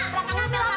kalau kaget ngambil apa